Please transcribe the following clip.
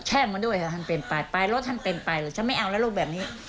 แช่มันด้วยฮะทันเพลินไปไปรถทันเป็นไปเลยฉันไม่เอาแล้วรูปแบบนี้